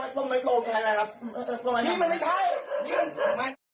ก็ไปโชว์กันเลยนะครับ